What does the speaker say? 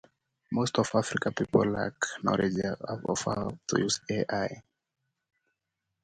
Coleman still produces most of the Esky line in Melbourne.